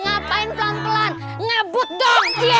ngapain pelan pelan ngebut dong